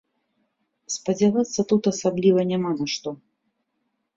Спадзявацца тут асабліва няма на што.